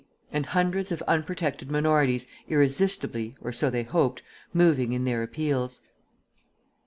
And hundreds of Unprotected Minorities, irresistibly (or so they hoped) moving in their appeals.